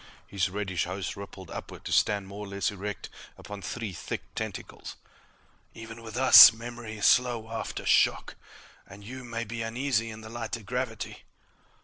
His reddish host rippled upward to stand more or less erect upon three thick tentacles. "Even with us, memory is slow after shock. And you may be uneasy in the lighter gravity."